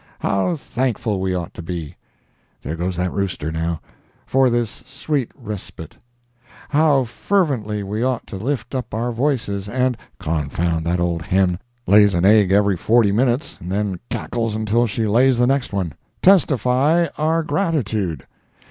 How thankful we ought to be (There goes that rooster, now.) for this sweet respite; how fervently we ought to lift up our voice and (Confound that old hen—lays an egg every forty minutes, and then cackles until she lays the next one.) testify our gratitude.